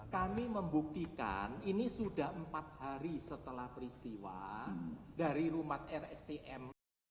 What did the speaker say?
kami membuktikan ini sudah empat hari setelah peristiwa dari rumah rscm